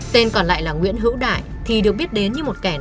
tên còn lại là nguyễn hữu đại thì được biết đến như một kẻ nói năng